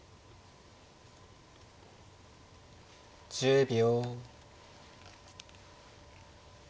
１０秒。